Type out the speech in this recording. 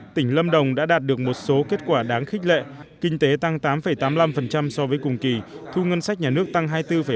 tp hcm đã đạt được một số kết quả đáng khích lệ kinh tế tăng tám tám mươi năm so với cùng kỳ thu ngân sách nhà nước tăng hai mươi bốn ba